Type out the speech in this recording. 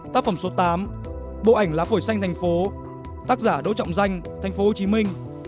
tác phẩm số tám bộ ảnh lá phổi xanh thành phố tác giả đỗ trọng danh thành phố hồ chí minh